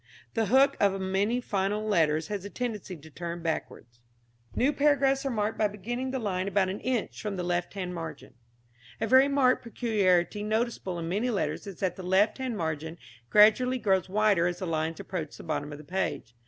The hook of many final letters has a tendency to turn backwards. New paragraphs are marked by beginning the line about an inch from the left hand margin. A very marked peculiarity noticeable in many letters is that the left hand margin gradually grows wider as the lines approach the bottom of the page.